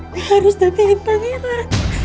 gue harus damein pangeran